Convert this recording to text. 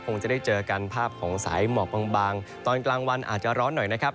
คงจะได้เจอกันภาพของสายหมอกบางตอนกลางวันอาจจะร้อนหน่อยนะครับ